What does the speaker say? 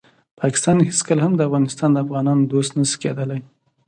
پاکستان هیڅکله هم د افغانستان او افغانانو دوست نشي کیدالی.